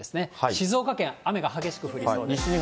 静岡県、雨が激しく降りそうです。